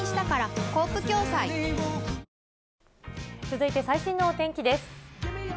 続いて最新のお天気です。